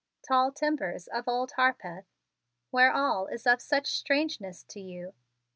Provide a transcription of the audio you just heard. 'tall timbers of Old Harpeth' where all is of such strangeness to you."